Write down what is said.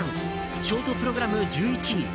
ショートプログラム１１位。